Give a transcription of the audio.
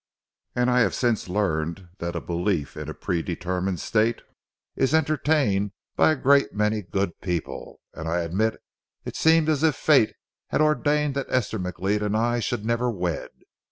I have since learned that a belief in a predetermined state is entertained by a great many good people, and I admit it seems as if fate had ordained that Esther McLeod and I should never wed.